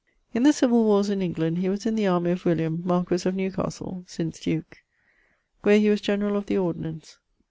In the civill warres in England he was in the army of William, marquess of Newcastle (since duke), where he was generall of the ordinance.